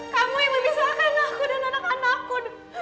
kamu yang memisahkan aku dan anak anakku